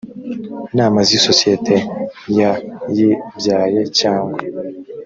nama z isosiyete yayibyaye cyangwa